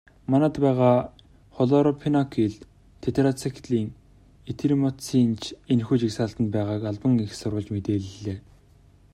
Манайд байгаа хлорамфеникол, тетрациклин, эритромицин ч энэхүү жагсаалтад байгааг албаны эх сурвалж мэдээллээ.